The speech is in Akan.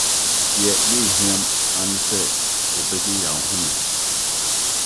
Nea na ehia ara ne sɛ yebegye yɛn ahome.